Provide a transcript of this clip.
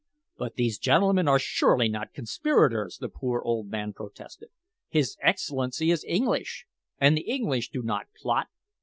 "But these gentlemen are surely not conspirators!" the poor old man protested. "His Excellency is English, and the English do not plot."